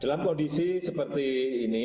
dalam kondisi seperti ini